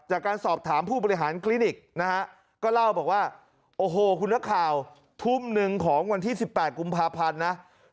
จากการสอบถามผู้บริหารคลินิกนะฮะก็เล่าบอกว่าโอ้โหคุณนักข่าวทุ่มหนึ่งของวันที่๑๘กุมภาพันธ์นะ